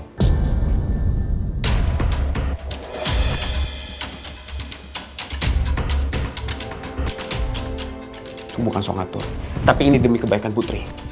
gue bukan soal ngatur tapi ini demi kebaikan putri